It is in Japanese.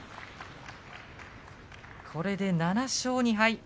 これで７勝２敗。